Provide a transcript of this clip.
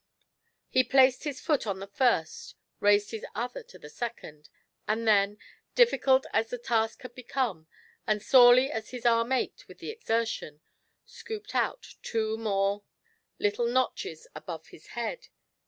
He placed his foot on the first, raised his other to the second, and then, difficult as the task had become, and sorely as his arm ached with the exertion, scooped out two more GIANT SELFISHNESS. 47 little notches above his head.